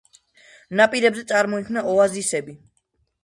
ნაპირებზე წარმოიქმნება ოაზისები.